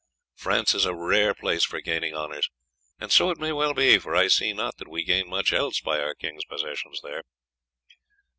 France is a rare place for gaining honours, and so it may well be, for I see not that we gain much else by our king's possessions there."